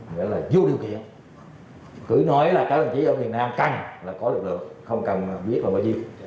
nghĩa là vô điều kiện cứ nói là các đồng chí ở việt nam cần là có lực lượng không cần biết vào bao nhiêu